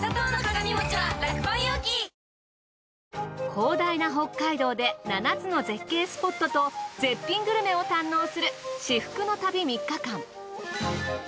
広大な北海道で７つの絶景スポットと絶品グルメを堪能する至福の旅３日間。